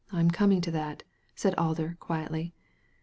"I'm coming to that," said Alder, quietly.